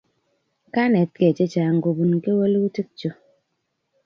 kanetkei chechang kobun kewelutik chuu